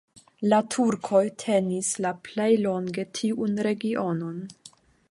La turkoj tenis la plej longe tiun regionon.